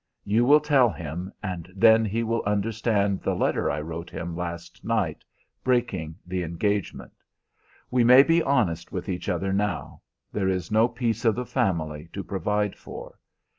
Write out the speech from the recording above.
You will tell him, and then he will understand the letter I wrote him last night, breaking the engagement. We may be honest with each other now; there is no peace of the family to provide for.